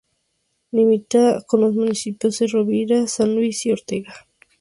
Limita con los municipios de Rovira, San Luis y Ortega.